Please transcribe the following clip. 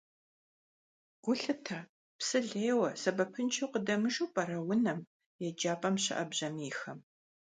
Гу лъытэ, псы лейуэ, сэбэпыншэу къыдэмыжу пӀэрэ унэм, еджапӀэм щыӀэ бжьамийхэм.